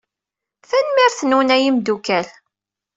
Tanemmirt-nwen a imeddukal.